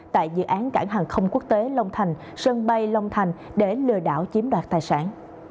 tại dự án cảng hàng không quốc tế long thành sân bay long thành để lừa đảo chiếm đoạt tài sản